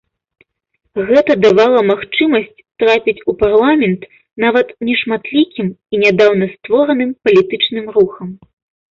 Гэта давала магчымасць трапіць у парламент нават нешматлікім і нядаўна створаным палітычным рухам.